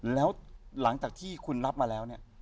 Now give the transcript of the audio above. แล้วหลังจากที่คุณรับมาแล้วเนี่ย